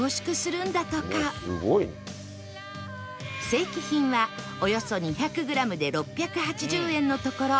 正規品はおよそ２００グラムで６８０円のところ